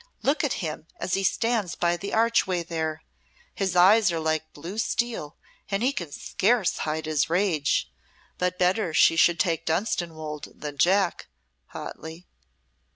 Look at him as he stands by the archway there. His eyes are like blue steel and he can scarce hide his rage. But better she should take Dunstanwolde than Jack" hotly.